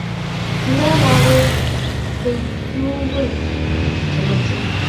tindoi lagok keitukul che machee.